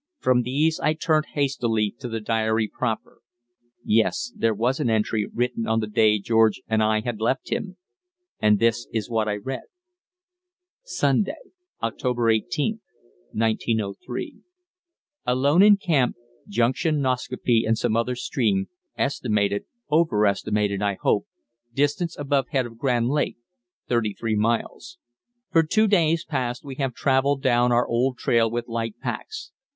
From these I turned hastily to the diary proper. Yes, there was an entry written on the day George and I had left him, and this is what I read: "Sunday, October 18th, 1903. "Alone in camp, junction Nascaupee and some other stream estimated (overestimated, I hope) distance above head of Grand Lake 33 miles. "For two days past we have travelled down our old trail with light packs.